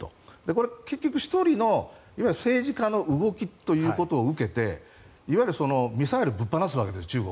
これ、結局１人の政治家の動きということを受けていわゆるミサイルを中国はぶっ放すわけです。